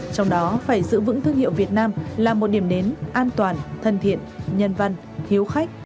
trong đó phải giữ vững thương hiệu việt nam là một điểm đến an toàn thân thiện nhân văn hiếu khách